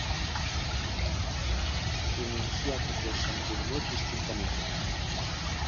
Pronunciar tots els sons d'un mot distintament.